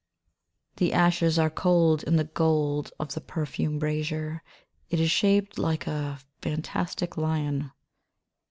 THE ashes arc cold in the gold of the perfume'brazier. It is shaped like a fantastic lion.